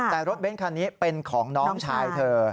แต่รถเบ้นคันนี้เป็นของน้องชายเธอ